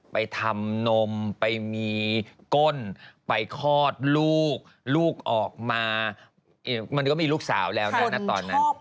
ไปทำนมไปมีก้นไปคลอดลูกลูกออกมามันก็มีลูกสาวแล้วนะตอนนั้น